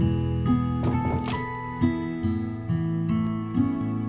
enggak enggak sih gak mau